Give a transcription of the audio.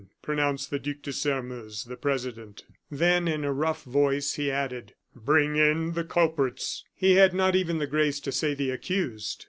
pronounced the Duc de Sairmeuse, the president. Then, in a rough voice, he added: "Bring in the culprits." He had not even the grace to say "the accused."